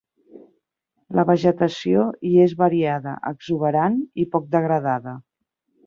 La vegetació hi és variada, exuberant i poc degradada.